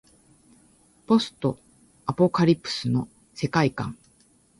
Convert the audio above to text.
ポストアポカリプスの世界観